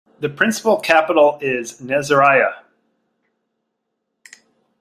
The provincial capital is Nasiriyah.